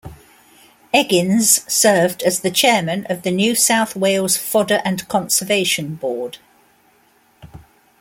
Eggins served as the Chairman of the New South Wales Fodder and Conservation Board.